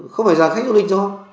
không phải là khách du lịch thôi